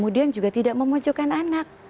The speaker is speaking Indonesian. jangan membojokkan anak